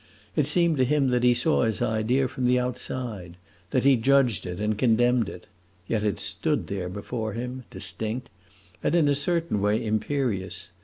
It seemed to him that he saw his idea from the outside, that he judged it and condemned it; yet it stood there before him, distinct, and in a certain way imperious.